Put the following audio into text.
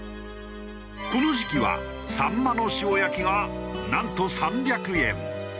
この時期は秋刀魚の塩焼きがなんと３００円。